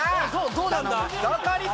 どうなんだ？